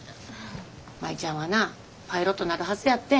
舞ちゃんはなパイロットなるはずやってん。